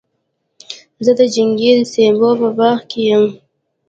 زه د چنګۍ د سېبو په باغ کي یم.